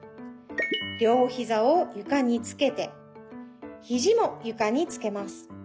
りょうひざをゆかにつけてひじもゆかにつけます。